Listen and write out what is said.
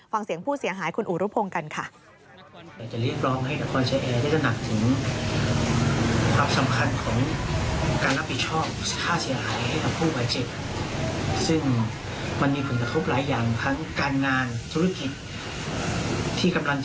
ฟังเสียงผู้เสียหายคุณอุรุพงศ์กันค่ะ